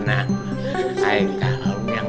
naik kar pokoknya yang